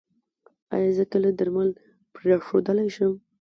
ایا زه کله درمل پریښودلی شم؟